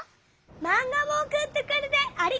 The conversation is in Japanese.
マンガもおくってくれてありがとう！